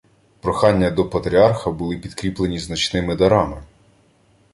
Прохання до патріарха були підкріплені значними дарами